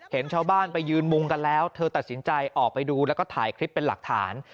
เห็นชาวบ้านไปยืนมุงกันแล้วเธอตัดสินใจออกไปดูแล้วก็ถ่ายคลิปเป็นหลักฐาน